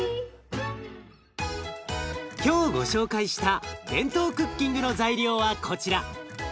今日ご紹介したＢＥＮＴＯクッキングの材料はこちら。